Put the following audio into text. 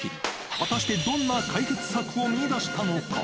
果たしてどんな解決策を見いだしたのか。